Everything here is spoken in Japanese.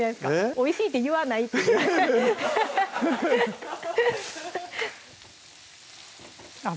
「おいしい」って言わないっていうあっ